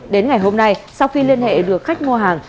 đến ngày hôm nay sau khi liên hệ được khách mua hàng